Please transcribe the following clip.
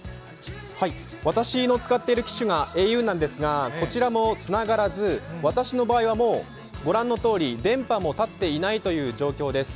私の使っている機種がａｕなんですがこちらもつながらず、私の場合はもうご覧のとおり、電波も立っていないという状況です。